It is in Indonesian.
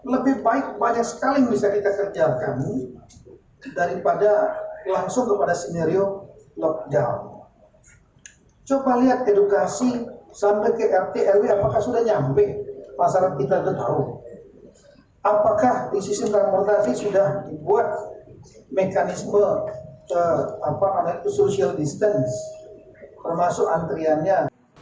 masyarakat kita sudah tahu apakah di sistem transportasi sudah dibuat mekanisme social distance termasuk antriannya